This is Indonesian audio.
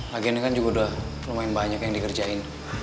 lagian kan juga udah lumayan banyak yang dikerjain